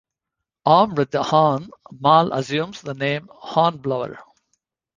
Armed with the horn, Mal assumes the name Hornblower.